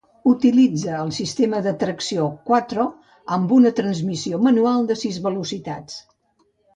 Utilitza el sistema de tracció "quattro" amb una transmissió manual de sis velocitats.